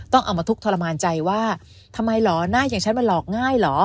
ต้องเอามาทุกข์ทรมานใจว่าทำไมเหรอหน้าอย่างฉันมันหลอกง่ายเหรอ